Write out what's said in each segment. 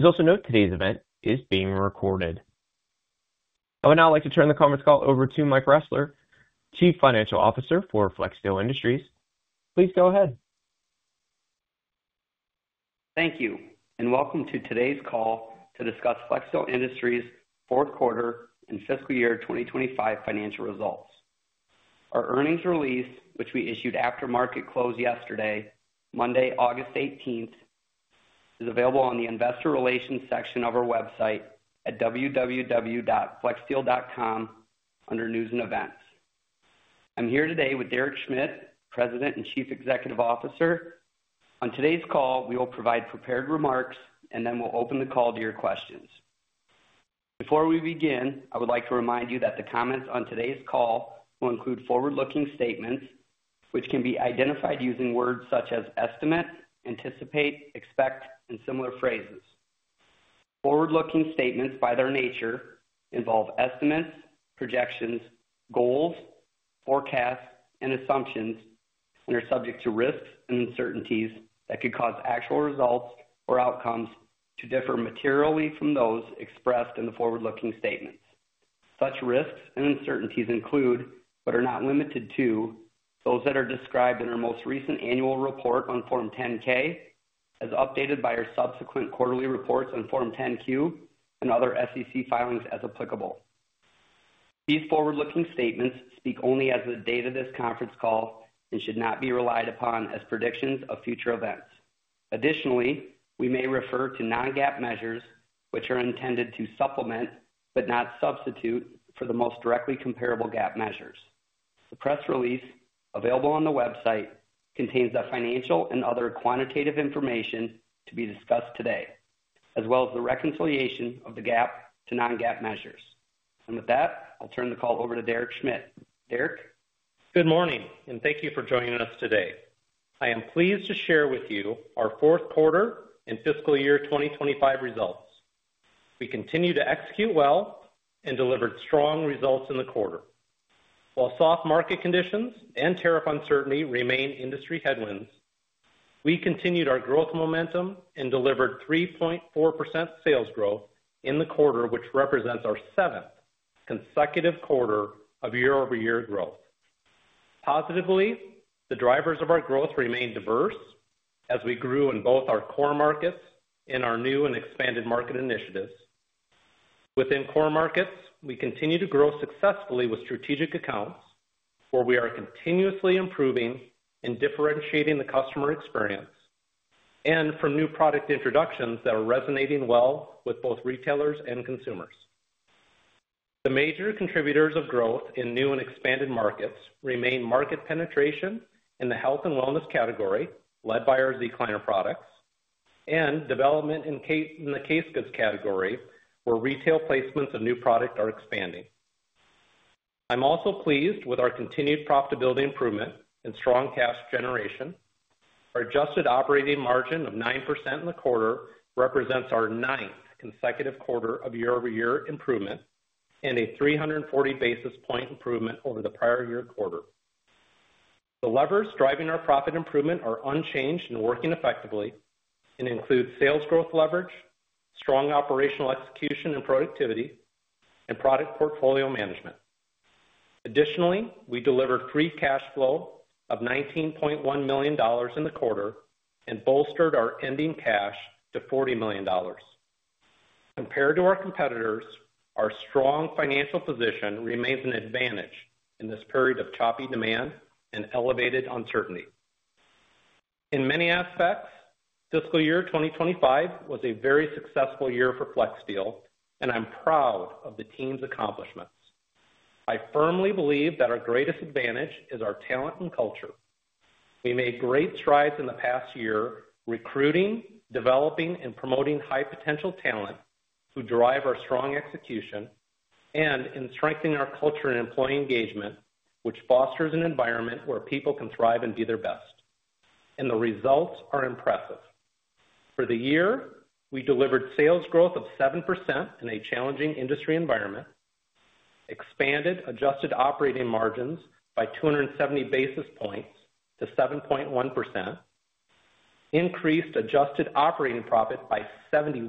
Please also note today's event is being recorded. I would now like to turn the conference call over to Mike Ressler, Chief Financial Officer for Flexsteel Industries. Please go ahead. Thank you, and welcome to today's call to discuss Flexsteel Industries' fourth quarter and fiscal year 2025 financial results. Our earnings release, which we issued after market close yesterday, Monday, August 18th, is available on the Investor Relations section of our website at www.flexsteel.com under News & Events. I'm here today with Derek Schmidt, President and Chief Executive Officer. On today's call, we will provide prepared remarks, then we'll open the call to your questions. Before we begin, I would like to remind you that the comments on today's call will include forward-looking statements, which can be identified using words such as estimate, anticipate, expect, and similar phrases. Forward-looking statements, by their nature, involve estimates, projections, goals, forecasts, and assumptions, and are subject to risks and uncertainties that could cause actual results or outcomes to differ materially from those expressed in the forward-looking statements. Such risks and uncertainties include, but are not limited to, those that are described in our most recent annual report on Form 10-K, as updated by our subsequent quarterly reports on Form 10-Q and other SEC filings as applicable. These forward-looking statements speak only as of the date of this conference call and should not be relied upon as predictions of future events. Additionally, we may refer to non-GAAP measures, which are intended to supplement but not substitute for the most directly comparable GAAP measures. The press release, available on the website, contains the financial and other quantitative information to be discussed today, as well as the reconciliation of the GAAP to non-GAAP measures. With that, I'll turn the call over to Derek Schmidt. Derek? Good morning, and thank you for joining us today. I am pleased to share with you our fourth quarter and fiscal year 2025 results. We continue to execute well and delivered strong results in the quarter. While soft market conditions and tariff uncertainty remain industry headwinds, we continued our growth momentum and delivered 3.4% sales growth in the quarter, which represents our seventh consecutive quarter of year-over-year growth. Positively, the drivers of our growth remain diverse, as we grew in both our core markets and our new and expanded market initiatives. Within core markets, we continue to grow successfully with strategic accounts where we are continuously improving and differentiating the customer experience, and from new product introductions that are resonating well with both retailers and consumers. The major contributors of growth in new and expanded markets remain market penetration in the health and wellness category, led by our Zecliner products, and development in the case goods category, where retail placements of new products are expanding. I'm also pleased with our continued profitability improvement and strong cash generation. Our adjusted operating margin of 9% in the quarter represents our ninth consecutive quarter of year-over-year improvement and a 340 basis point improvement over the prior year quarter. The levers driving our profit improvement are unchanged and working effectively and include sales growth leverage, strong operational execution and productivity, and product portfolio management. Additionally, we delivered free cash flow of $19.1 million in the quarter and bolstered our ending cash to $40 million. Compared to our competitors, our strong financial position remains an advantage in this period of choppy demand and elevated uncertainty. In many aspects, fiscal year 2025 was a very successful year for Flexsteel, and I'm proud of the team's accomplishments. I firmly believe that our greatest advantage is our talent and culture. We made great strides in the past year recruiting, developing, and promoting high-potential talent to drive our strong execution and in strengthening our culture and employee engagement, which fosters an environment where people can thrive and be their best. The results are impressive. For the year, we delivered sales growth of 7% in a challenging industry environment, expanded adjusted operating margins by 270 basis points to 7.1%, increased adjusted operating profit by 71%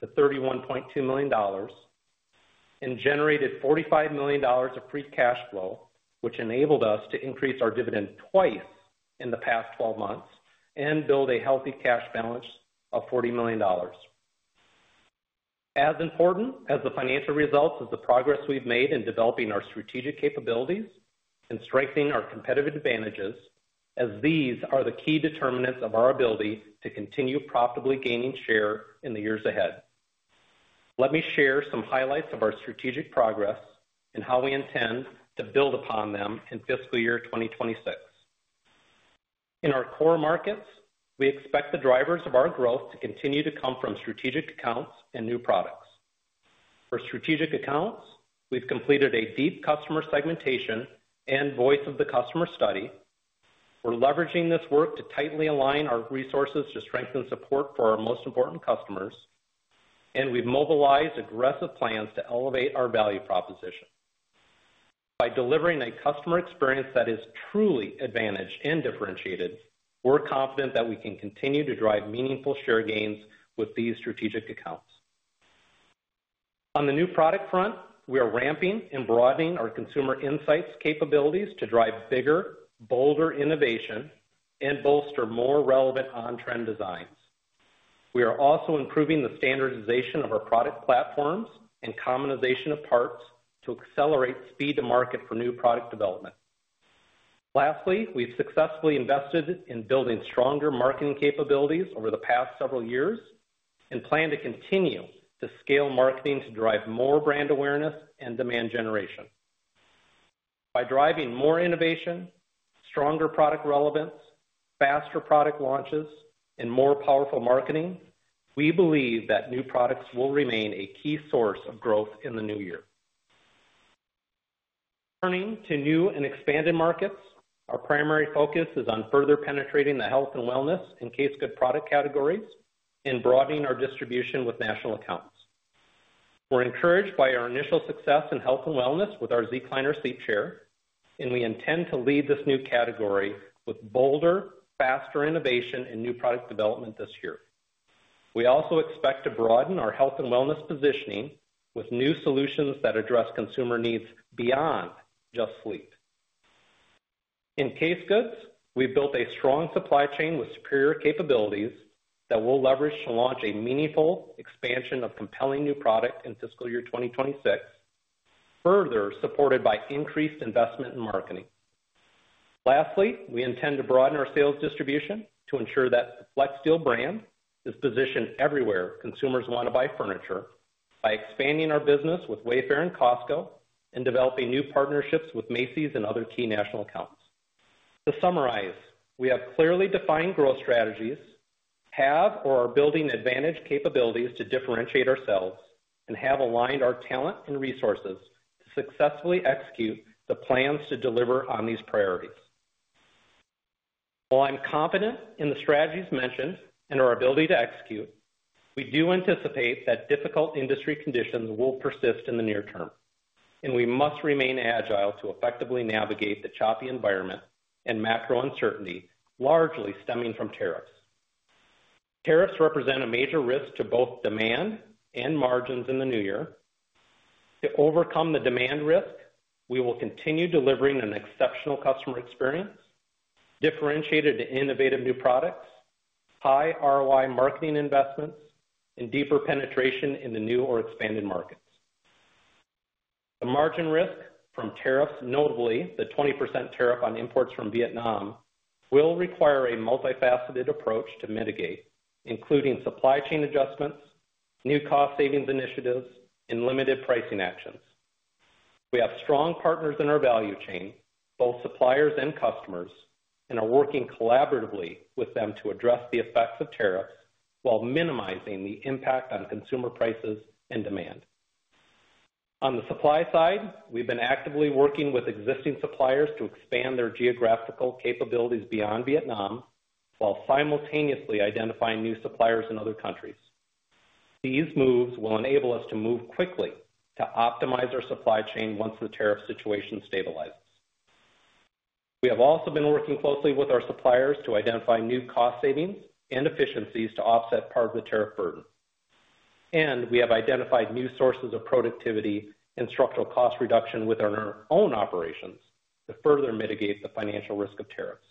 to $31.2 million, and generated $45 million of free cash flow, which enabled us to increase our dividend twice in the past 12 months and build a healthy cash balance of $40 million. As important as the financial results is the progress we've made in developing our strategic capabilities and strengthening our competitive advantages, as these are the key determinants of our ability to continue profitably gaining share in the years ahead. Let me share some highlights of our strategic progress and how we intend to build upon them in fiscal year 2026. In our core markets, we expect the drivers of our growth to continue to come from strategic accounts and new products. For strategic accounts, we've completed a deep customer segmentation and voice of the customer study. We're leveraging this work to tightly align our resources to strengthen support for our most important customers, and we've mobilized aggressive plans to elevate our value proposition. By delivering a customer experience that is truly advantaged and differentiated, we're confident that we can continue to drive meaningful share gains with these strategic accounts. On the new product front, we are ramping and broadening our consumer insights capabilities to drive bigger, bolder innovation and bolster more relevant on-trend designs. We are also improving the standardization of our product platforms and commonization of parts to accelerate speed to market for new product development. Lastly, we've successfully invested in building stronger marketing capabilities over the past several years and plan to continue to scale marketing to drive more brand awareness and demand generation. By driving more innovation, stronger product relevance, faster product launches, and more powerful marketing, we believe that new products will remain a key source of growth in the new year. Turning to new and expanded markets, our primary focus is on further penetrating the health and wellness and case goods product categories and broadening our distribution with national accounts. We're encouraged by our initial success in health and wellness with our Zecliner seat share, and we intend to lead this new category with bolder, faster innovation in new product development this year. We also expect to broaden our health and wellness positioning with new solutions that address consumer needs beyond just sleep. In case goods, we've built a strong supply chain with superior capabilities that we'll leverage to launch a meaningful expansion of compelling new product in fiscal year 2026, further supported by increased investment in marketing. Lastly, we intend to broaden our sales distribution to ensure that the Flexsteel brand is positioned everywhere consumers want to buy furniture by expanding our business with Wayfair and Costco and developing new partnerships with Macy’s and other key national accounts. To summarize, we have clearly defined growth strategies, have or are building advantage capabilities to differentiate ourselves, and have aligned our talent and resources to successfully execute the plans to deliver on these priorities. While I'm confident in the strategies mentioned and our ability to execute, we do anticipate that difficult industry conditions will persist in the near term, and we must remain agile to effectively navigate the choppy environment and macro uncertainty largely stemming from tariffs. Tariffs represent a major risk to both demand and margins in the new year. To overcome the demand risk, we will continue delivering an exceptional customer experience, differentiated innovative new products, high ROI marketing investments, and deeper penetration in the new or expanded markets. The margin risk from tariffs, notably the 20% tariff on imports from Vietnam, will require a multifaceted approach to mitigate, including supply chain adjustments, new cost savings initiatives, and limited pricing actions. We have strong partners in our value chain, both suppliers and customers, and are working collaboratively with them to address the effects of tariffs while minimizing the impact on consumer prices and demand. On the supply side, we've been actively working with existing suppliers to expand their geographical capabilities beyond Vietnam, while simultaneously identifying new suppliers in other countries. These moves will enable us to move quickly to optimize our supply chain once the tariff situation stabilizes. We have also been working closely with our suppliers to identify new cost savings and efficiencies to offset part of the tariff burden. We have identified new sources of productivity and structural cost reduction within our own operations to further mitigate the financial risk of tariffs.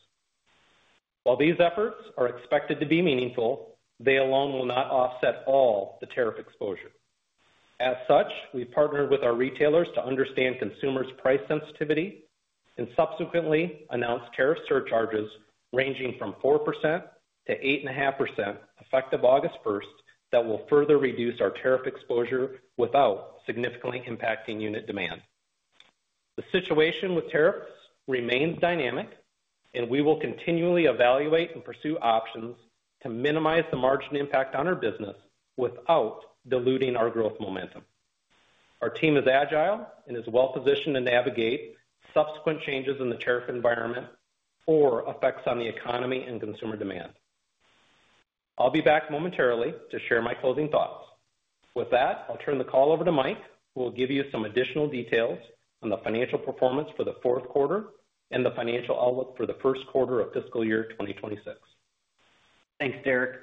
While these efforts are expected to be meaningful, they alone will not offset all the tariff exposure. As such, we partnered with our retailers to understand consumers' price sensitivity and subsequently announced tariff surcharges ranging from 4%-8.5% effective August 1st that will further reduce our tariff exposure without significantly impacting unit demand. The situation with tariffs remains dynamic, and we will continually evaluate and pursue options to minimize the margin impact on our business without diluting our growth momentum. Our team is agile and is well-positioned to navigate subsequent changes in the tariff environment or effects on the economy and consumer demand. I'll be back momentarily to share my closing thoughts. With that, I'll turn the call over to Mike, who will give you some additional details on the financial performance for the fourth quarter and the financial outlook for the first quarter of fiscal year 2026. Thanks, Derek.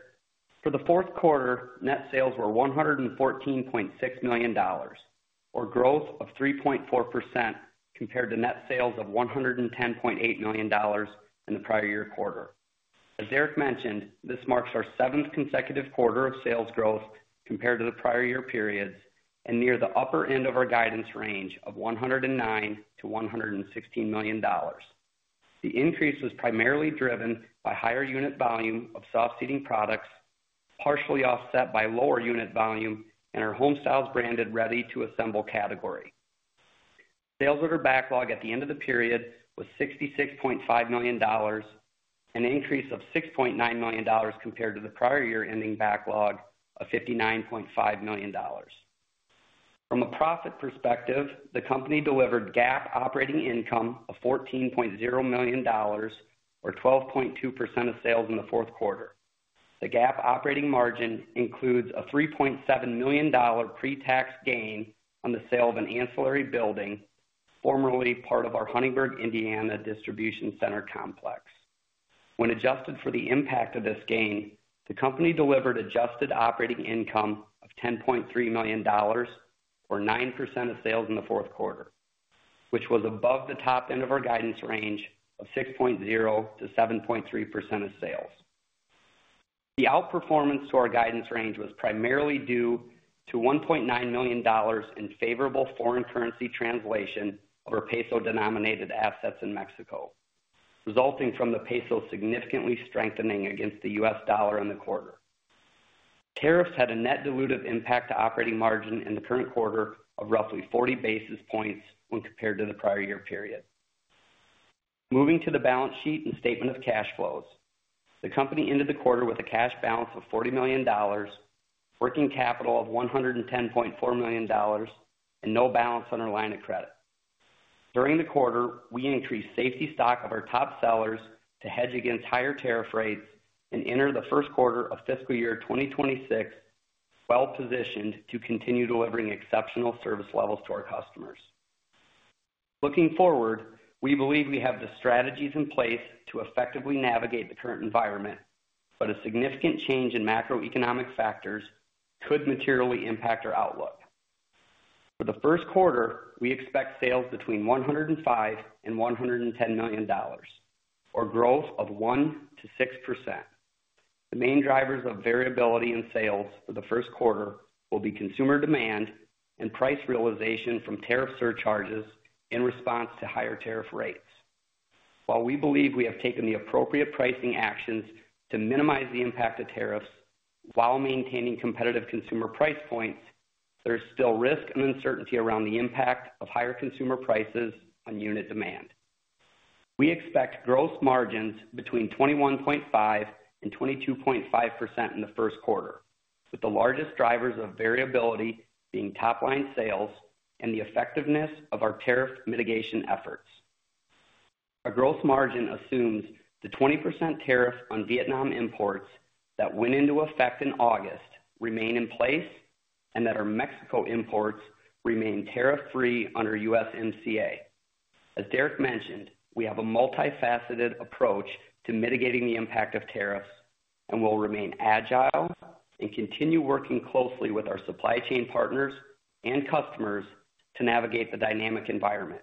For the fourth quarter, net sales were $114.6 million, or growth of 3.4% compared to net sales of $110.8 million in the prior year quarter. As Derek mentioned, this marks our seventh consecutive quarter of sales growth compared to the prior year periods and near the upper end of our guidance range of $109 million-$116 million. The increase was primarily driven by higher unit volume of soft seating products, partially offset by lower unit volume in our Home Styles branded ready to assemble category. Sales of our backlog at the end of the period was $66.5 million, an increase of $6.9 million compared to the prior year ending backlog of $59.5 million. From a profit perspective, the company delivered GAAP operating income of $14.0 million, or 12.2% of sales in the fourth quarter. The GAAP operating margin includes a $3.7 million pre-tax gain on the sale of an ancillary building, formerly part of our Huntingburg, Indiana, distribution center complex. When adjusted for the impact of this gain, the company delivered adjusted operating income of $10.3 million, or 9% of sales in the fourth quarter, which was above the top end of our guidance range of 6.0%-7.3% of sales. The outperformance to our guidance range was primarily due to $1.9 million in favorable foreign currency translation of our peso-denominated assets in Mexico, resulting from the peso significantly strengthening against the U.S., dollar in the quarter. Tariffs had a net dilutive impact to operating margin in the current quarter of roughly 40 basis points when compared to the prior year period. Moving to the balance sheet and statement of cash flows, the company ended the quarter with a cash balance of $40 million, working capital of $110.4 million, and no balance on our line of credit. During the quarter, we increased safety stock of our top sellers to hedge against higher tariff rates and enter the first quarter of fiscal year 2026 well-positioned to continue delivering exceptional service levels to our customers. Looking forward, we believe we have the strategies in place to effectively navigate the current environment, but a significant change in macroeconomic factors could materially impact our outlook. For the first quarter, we expect sales between $105 million and $110 million, or growth of 1%-6%. The main drivers of variability in sales for the first quarter will be consumer demand and price realization from tariff surcharges in response to higher tariff rates. While we believe we have taken the appropriate pricing actions to minimize the impact of tariffs while maintaining competitive consumer price points, there is still risk and uncertainty around the impact of higher consumer prices on unit demand. We expect gross margins between 21.5% and 22.5% in the first quarter, with the largest drivers of variability being top-line sales and the effectiveness of our tariff mitigation efforts. A gross margin assumes the 20% tariff on Vietnam imports that went into effect in August remain in place and that our Mexico imports remain tariff-free under USMCA. As Derek mentioned, we have a multifaceted approach to mitigating the impact of tariffs and will remain agile and continue working closely with our supply chain partners and customers to navigate the dynamic environment.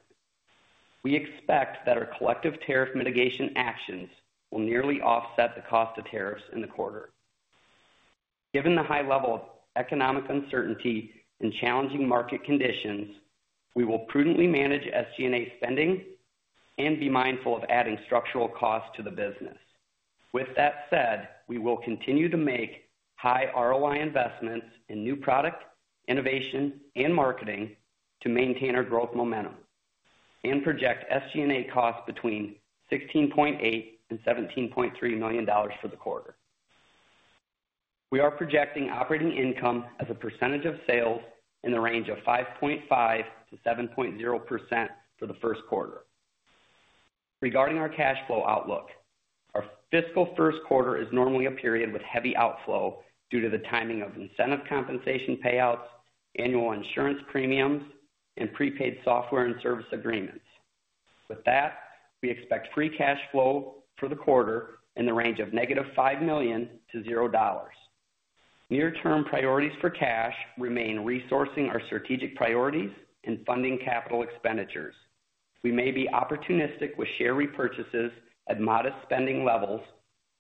We expect that our collective tariff mitigation actions will nearly offset the cost of tariffs in the quarter. Given the high level of economic uncertainty and challenging market conditions, we will prudently manage SG&A spending and be mindful of adding structural costs to the business. With that said, we will continue to make high ROI investments in new product, innovation, and marketing to maintain our growth momentum and project SG&A costs between $16.8 million and $17.3 million for the quarter. We are projecting operating income as a percentage of sales in the range of 5.5%-7.0% for the first quarter. Regarding our cash flow outlook, our fiscal first quarter is normally a period with heavy outflow due to the timing of incentive compensation payouts, annual insurance premiums, and prepaid software and service agreements. With that, we expect free cash flow for the quarter in the range of -$5 million-$0. Near-term priorities for cash remain resourcing our strategic priorities and funding capital expenditures. We may be opportunistic with share repurchases at modest spending levels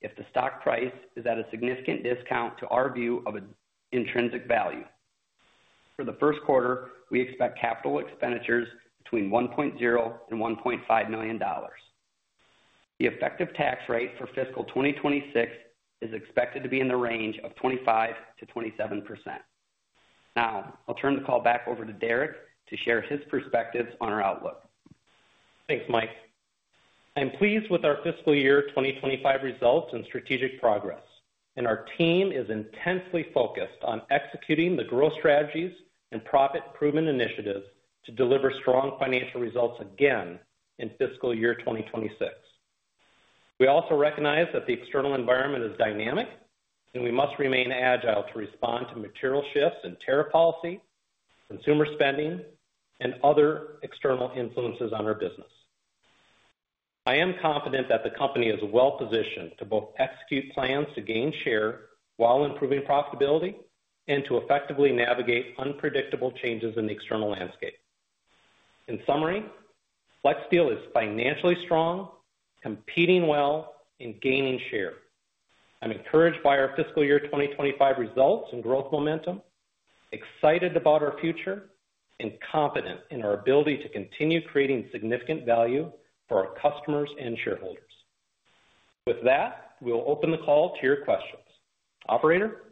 if the stock price is at a significant discount to our view of intrinsic value. For the first quarter, we expect capital expenditures between $1.0 million and $1.5 million. The effective tax rate for fiscal 2026 is expected to be in the range of 25%-27%. Now, I'll turn the call back over to Derek Schmidt to share his perspectives on our outlook. Thanks, Mike. I'm pleased with our fiscal year 2025 results and strategic progress, and our team is intensely focused on executing the growth strategies and profit improvement initiatives to deliver strong financial results again in fiscal year 2026. We also recognize that the external environment is dynamic, and we must remain agile to respond to material shifts in tariff policy, consumer spending, and other external influences on our business. I am confident that the company is well-positioned to both execute plans to gain share while improving profitability and to effectively navigate unpredictable changes in the external landscape. In summary, Flexsteel is financially strong, competing well, and gaining share. I'm encouraged by our fiscal year 2025 results and growth momentum, excited about our future, and confident in our ability to continue creating significant value for our customers and shareholders. With that, we'll open the call to your questions. Operator?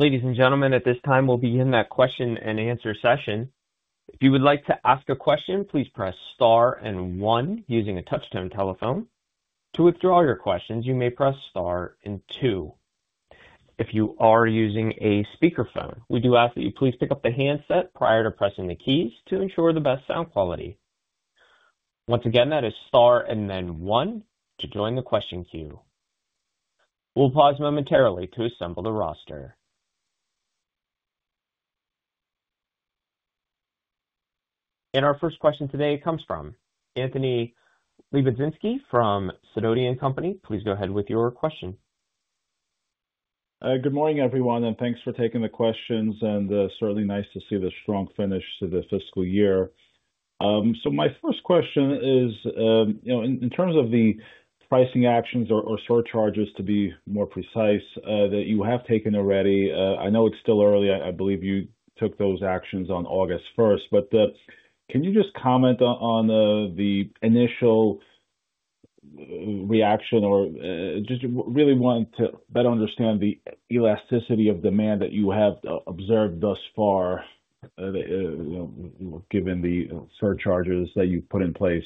Ladies and gentlemen, at this time, we'll begin the question-and-answer session. If you would like to ask a question, please press Star and one using a touch-tone telephone. To withdraw your questions, you may press Star and two. If you are using a speakerphone, we do ask that you please pick up the handset prior to pressing the keys to ensure the best sound quality. Once again, that is star and then one to join the question queue. We'll pause momentarily to assemble the roster. Our first question today comes from Anthony Lebiedzinski from Sidoti & Company. Please go ahead with your question. Good morning, everyone, and thanks for taking the questions, and it's certainly nice to see the strong finish to the fiscal year. My first question is, in terms of the pricing actions or surcharges, to be more precise, that you have taken already, I know it's still early. I believe you took those actions on August 1st, but can you just comment on the initial reaction or just really want to better understand the elasticity of demand that you have observed thus far, given the surcharges that you've put in place?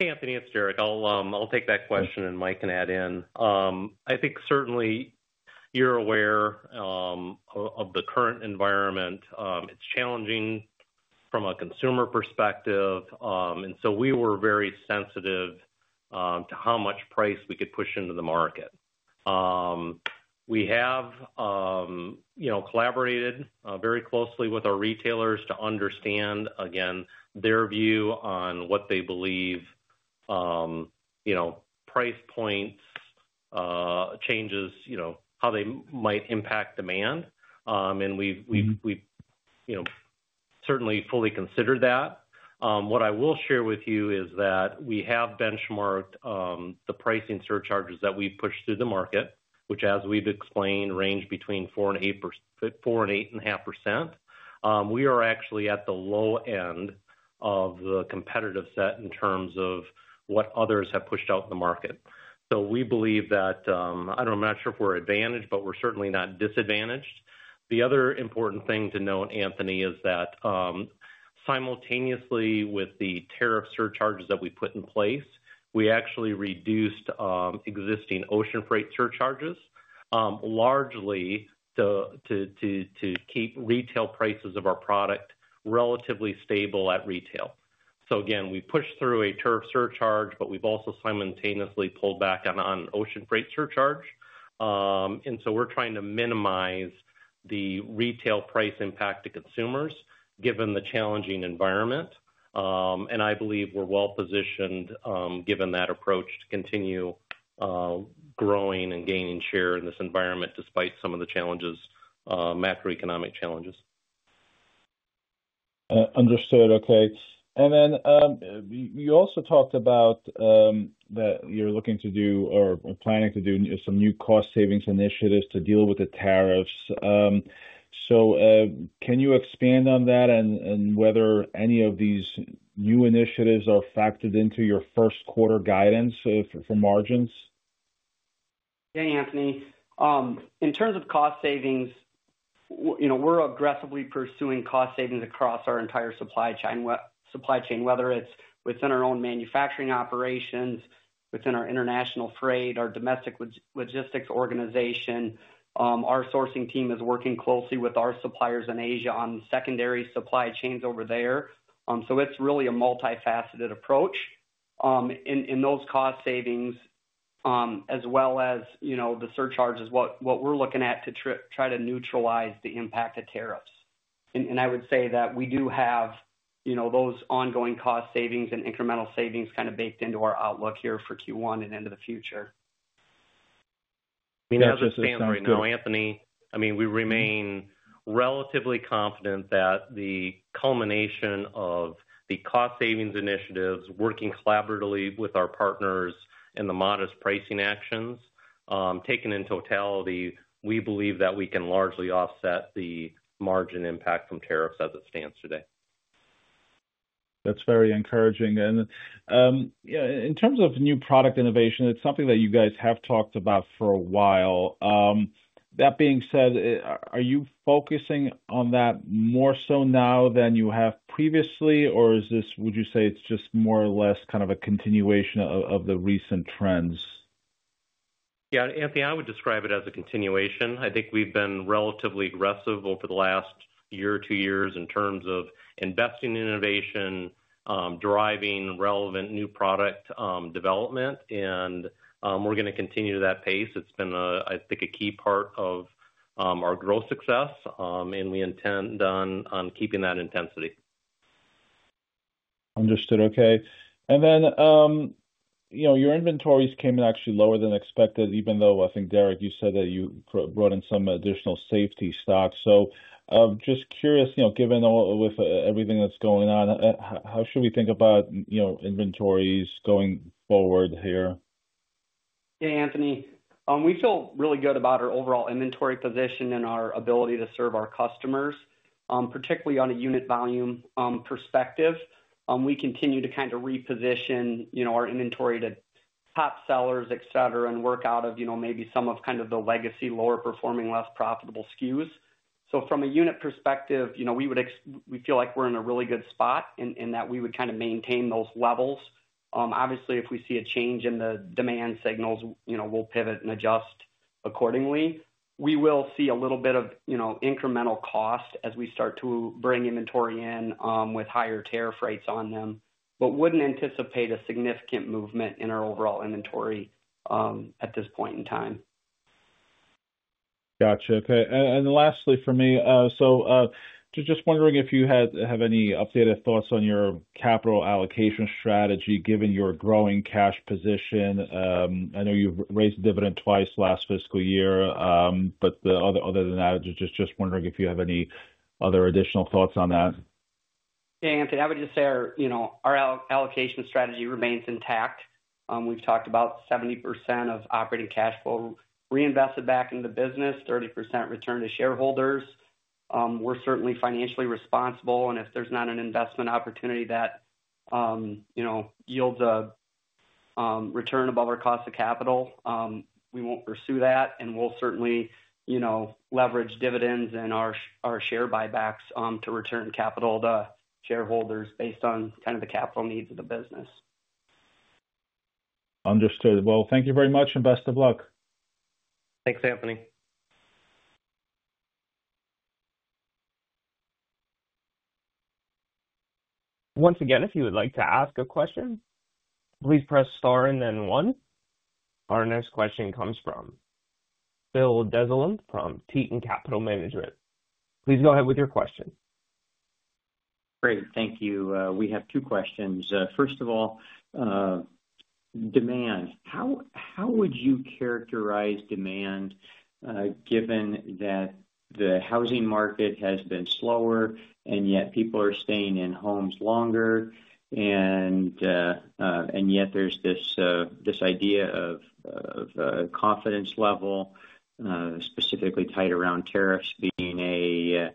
Hey, Anthony, it's Derek. I'll take that question, and Mike can add in. I think certainly you're aware of the current environment. It's challenging from a consumer perspective, and we were very sensitive to how much price we could push into the market. We have collaborated very closely with our retailers to understand, again, their view on what they believe price point changes, how they might impact demand. We've certainly fully considered that. What I will share with you is that we have benchmarked the pricing surcharges that we've pushed through the market, which, as we've explained, range between 4% and 8.5%. We are actually at the low end of the competitive set in terms of what others have pushed out in the market. I don't know, I'm not sure if we're advantaged, but we're certainly not disadvantaged. The other important thing to note, Anthony, is that simultaneously with the tariff surcharges that we put in place, we actually reduced existing ocean freight surcharges, largely to keep retail prices of our product relatively stable at retail. Again, we pushed through a tariff surcharge, but we've also simultaneously pulled back on an ocean freight surcharge. We're trying to minimize the retail price impact to consumers, given the challenging environment. I believe we're well positioned given that approach to continue growing and gaining share in this environment despite some of the challenges, macroeconomic challenges. Understood. Okay. You also talked about that you're looking to do or planning to do some new cost savings initiatives to deal with the tariffs. Can you expand on that and whether any of these new initiatives are factored into your first quarter guidance for margins? Yeah, Anthony. In terms of cost savings, we're aggressively pursuing cost savings across our entire supply chain, whether it's within our own manufacturing operations, within our international trade, our domestic logistics organization. Our sourcing team is working closely with our suppliers in Asia on secondary supply chains over there. It's really a multifaceted approach in those cost savings, as well as the surcharges, what we're looking at to try to neutralize the impact of tariffs. I would say that we do have those ongoing cost savings and incremental savings kind of baked into our outlook here for Q1 and into the future. I mean, as this is happening, Anthony, we remain relatively confident that the culmination of the cost savings initiatives working collaboratively with our partners and the modest pricing actions, taken in totality, we believe that we can largely offset the margin impact from tariffs as it stands today. That's very encouraging. In terms of new product innovation, it's something that you guys have talked about for a while. That being said, are you focusing on that more so now than you have previously, or would you say it's just more or less kind of a continuation of the recent trends? Yeah, Anthony, I would describe it as a continuation. I think we've been relatively aggressive over the last year or two years in terms of investing in innovation, driving relevant new product development, and we're going to continue at that pace. It's been, I think, a key part of our growth success, and we intend on keeping that intensity. Understood. Okay. Your inventories came in actually lower than expected, even though I think, Derek, you said that you brought in some additional safety stocks. Just curious, given with everything that's going on, how should we think about inventories going forward here? Yeah, Anthony, we feel really good about our overall inventory position and our ability to serve our customers, particularly on a unit volume perspective. We continue to reposition our inventory to top sellers, etc., and work out of maybe some of the legacy, lower performing, less profitable SKUs. From a unit perspective, we feel like we're in a really good spot in that we would maintain those levels. Obviously, if we see a change in the demand signals, we'll pivot and adjust accordingly. We will see a little bit of incremental cost as we start to bring inventory in with higher tariff rates on them, but wouldn't anticipate a significant movement in our overall inventory at this point in time. Gotcha. Okay. Lastly for me, just wondering if you have any updated thoughts on your capital allocation strategy given your growing cash position. I know you've raised a dividend twice last fiscal year, but other than that, just wondering if you have any other additional thoughts on that. Yeah, Anthony, I would just say our allocation strategy remains intact. We've talked about 70% of operating cash flow reinvested back into the business, 30% return to shareholders. We're certainly financially responsible, and if there's not an investment opportunity that yields a return above our cost of capital, we won't pursue that, and we'll certainly leverage dividends and our share repurchases to return capital to shareholders based on kind of the capital needs of the business. Thank you very much, and best of luck. Thanks, Anthony. Once again, if you would like to ask a question, please press star and then one. Our next question comes from Bill Dezellem from Tieton Capital Management. Please go ahead with your question. Great. Thank you. We have two questions. First of all, demand. How would you characterize demand given that the housing market has been slower and yet people are staying in homes longer? There's this idea of confidence level, specifically tied around tariffs being a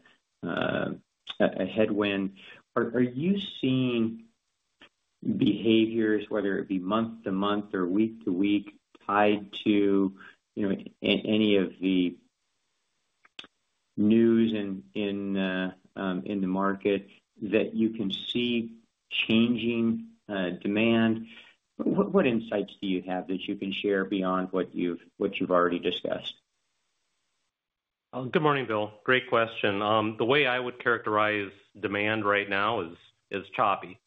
headwind. Are you seeing behaviors, whether it be month-to-month or week-to-week, tied to any of the news in the market that you can see changing demand? What insights do you have that you can share beyond what you've already discussed? Good morning, Bill. Great question. The way I would characterize demand right now is choppy.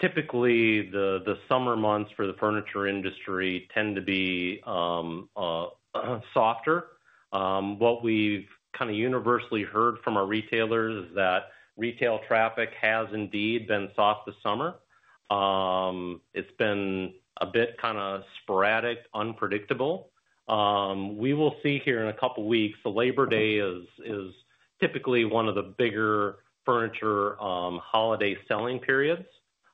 Typically, the summer months for the furniture industry tend to be softer. What we've kind of universally heard from our retailers is that retail traffic has indeed been soft this summer. It's been a bit sporadic, unpredictable. We will see here in a couple of weeks, Labor Day is typically one of the bigger furniture holiday selling periods.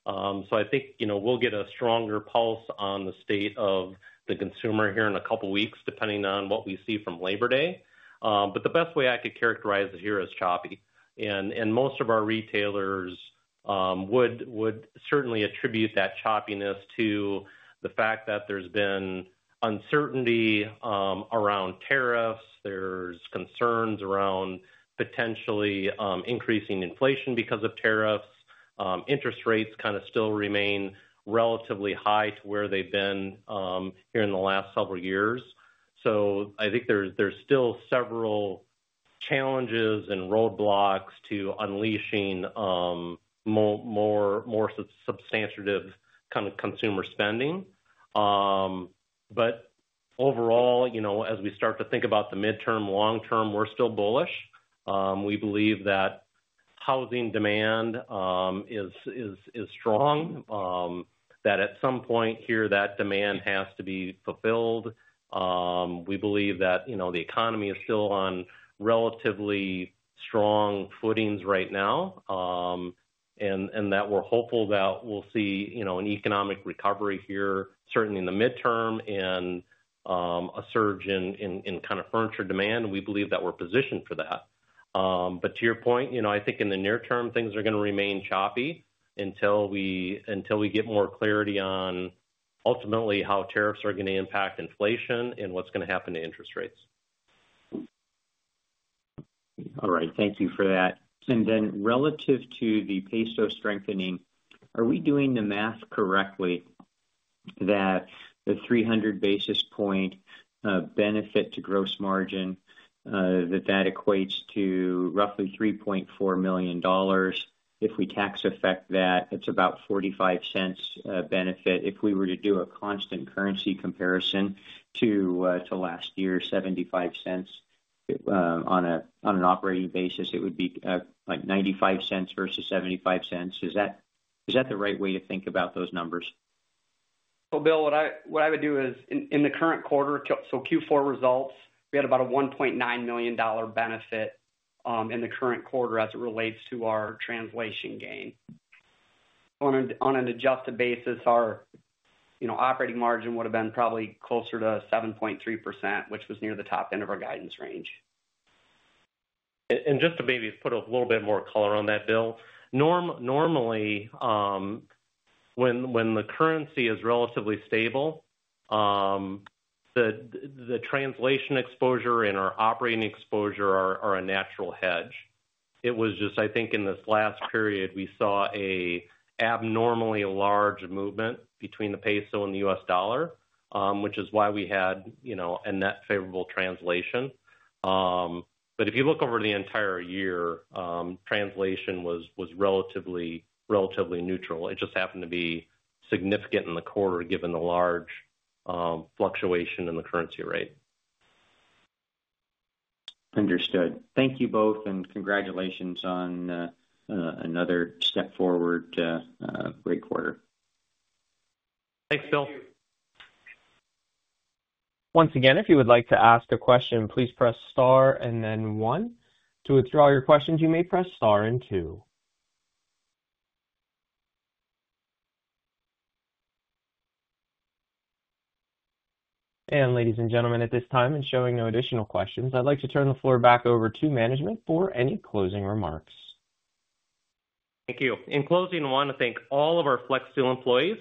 I think we'll get a stronger pulse on the state of the consumer here in a couple of weeks, depending on what we see from Labor Day. The best way I could characterize it here is choppy. Most of our retailers would certainly attribute that choppiness to the fact that there's been uncertainty around tariffs. There's concerns around potentially increasing inflation because of tariffs. Interest rates still remain relatively high to where they've been here in the last several years. I think there's still several challenges and roadblocks to unleashing more substantive consumer spending. Overall, as we start to think about the midterm, long term, we're still bullish. We believe that housing demand is strong, that at some point here that demand has to be fulfilled. We believe that the economy is still on relatively strong footings right now and that we're hopeful that we'll see an economic recovery here, certainly in the midterm, and a surge in furniture demand. We believe that we're positioned for that. To your point, I think in the near term, things are going to remain choppy until we get more clarity on ultimately how tariffs are going to impact inflation and what's going to happen to interest rates. All right. Thank you for that. Relative to the peso strengthening, are we doing the math correctly that the 300 basis point benefit to gross margin equates to roughly $3.4 million? If we tax effect that, it's about $0.45 benefit. If we were to do a constant currency comparison to last year, $0.75 on an operating basis, it would be like $0.95 versus $0.75. Is that the right way to think about those numbers? In the current quarter, so Q4 results, we had about a $1.9 million benefit in the current quarter as it relates to our translation gain. On an adjusted basis, our operating margin would have been probably closer to 7.3%, which was near the top end of our guidance range. To maybe put a little bit more color on that, Bill, normally, when the currency is relatively stable, the translation exposure and our operating exposure are a natural hedge. It was just, I think, in this last period, we saw an abnormally large movement between the peso and the U.S., dollar, which is why we had a net favorable translation. If you look over the entire year, translation was relatively neutral. It just happened to be significant in the quarter given the large fluctuation in the currency rate. Understood. Thank you both, and congratulations on another step forward to a great quarter. Thanks, Bill. Once again, if you would like to ask a question, please press Star and then one. To withdraw your questions, you may press Star and two. Ladies and gentlemen, at this time, showing no additional questions, I'd like to turn the floor back over to management for any closing remarks. Thank you. In closing, I want to thank all of our Flexsteel employees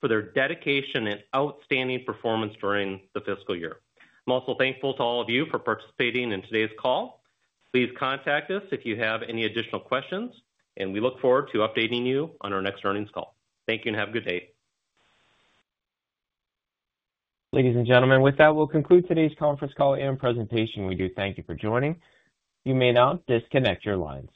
for their dedication and outstanding performance during the fiscal year. I'm also thankful to all of you for participating in today's call. Please contact us if you have any additional questions, and we look forward to updating you on our next earnings call. Thank you and have a good day. Ladies and gentlemen, with that, we'll conclude today's conference call and presentation. We do thank you for joining. You may now disconnect your lines.